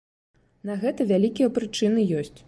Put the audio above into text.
На гэта вялікія прычыны ёсць!